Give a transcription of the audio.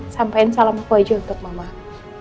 sampaikan salam aku aja untuk mama kamu